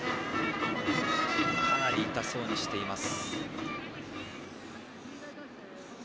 かなり痛そうにしています。